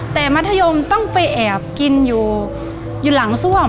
แต่มัธยมต้องไปแอบกินอยู่หลังซ่วม